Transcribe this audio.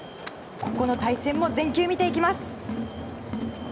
ここの対戦も全球見ていきます。